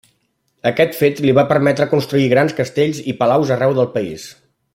Aquest fet li va permetre construir grans castells i palaus arreu del país.